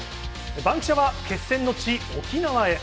バンキシャは、決戦の地、沖縄へ。